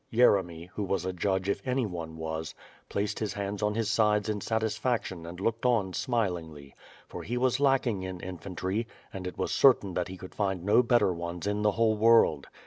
Yeremy, who was a judge if anyone was, placed his hands on his sides in his satisfaction and looked on smilingly; for he was lacking in infantry, and it was cer tain that he could find no better ones in the whole world.